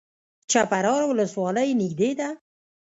چپرهار ولسوالۍ نږدې ده؟